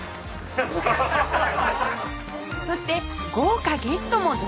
そして豪華ゲストも続々！